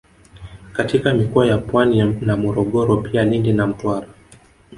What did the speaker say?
katika mikoa ya Pwani na Morogoro pia Lindi na Mtwara